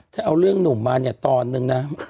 ถ้าเอาเรื่องหนุ่มมาเนี่ยตอนนึงนะ